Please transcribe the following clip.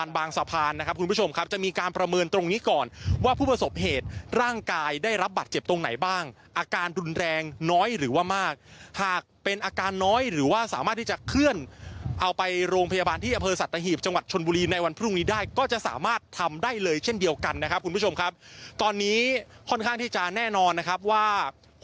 บางสะพานนะครับคุณผู้ชมครับจะมีการประเมินตรงนี้ก่อนว่าผู้ประสบเหตุร่างกายได้รับบัตรเจ็บตรงไหนบ้างอาการรุนแรงน้อยหรือว่ามากหากเป็นอาการน้อยหรือว่าสามารถที่จะเคลื่อนเอาไปโรงพยาบาลที่อำเภอสัตหีบจังหวัดชนบุรีในวันพรุ่งนี้ได้ก็จะสามารถทำได้เลยเช่นเดียวกันนะครับคุณผู้ชมครับตอนนี้ค่อนข้างที่จะแน่นอนนะครับว่า